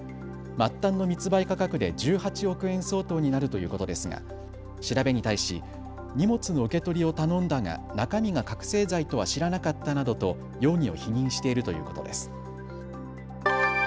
末端の密売価格で１８億円相当になるということですが調べに対し荷物の受け取りを頼んだが中身が覚醒剤とは知らなかったなどと容疑を否認しているということです。